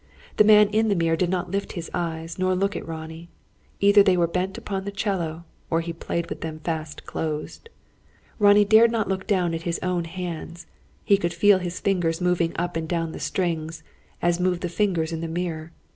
The man in the mirror did not lift his eyes, nor look at Ronnie. Either they were bent upon the 'cello, or he played with them fast closed. Ronnie dared not look down at his own hands. He could feel his fingers moving up and down the strings, as moved the fingers in the mirror.